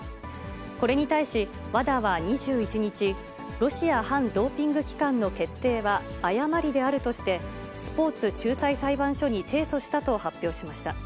これに対し、ＷＡＤＡは２１日、ロシア反ドーピング機関の決定は誤りであるとして、スポーツ仲裁裁判所に提訴したと発表しました。